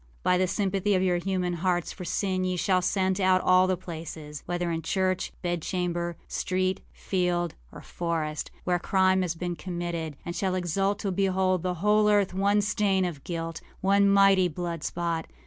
By the sympathy of your human hearts for sin ye shall scent out all the placesâwhether in church, bedchamber, street, field, or forestâwhere crime has been committed, and shall exult to behold the whole earth one stain of guilt, one mighty blood spot.